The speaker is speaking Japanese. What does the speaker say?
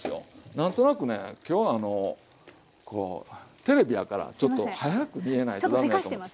何となくね今日はあのこうテレビやからちょっと早く煮えないと駄目やと思って。